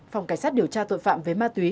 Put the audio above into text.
phòng cảnh sát điều tra tội phạm về ma túy